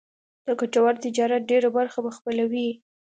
د ګټور تجارت ډېره برخه به خپلوي.